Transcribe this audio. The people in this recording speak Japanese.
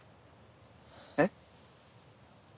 えっ？